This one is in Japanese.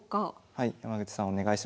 はい。